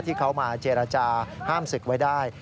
ที่เขามาเจรจาห้ามศึกไว้ได้